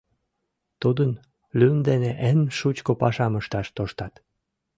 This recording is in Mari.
Тудын лӱм дене эн шучко пашам ышташ тоштат.